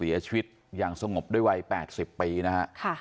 เสียชีวิตอย่างสงบด้วยวัยแปดสิบปีนะฮะค่ะ